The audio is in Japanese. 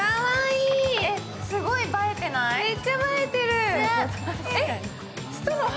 すごい映えてない？